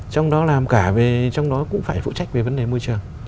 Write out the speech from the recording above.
trong đó làm cả về trong đó cũng phải phụ trách về vấn đề môi trường